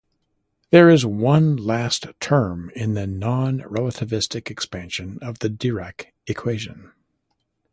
There is one last term in the non-relativistic expansion of the Dirac equation.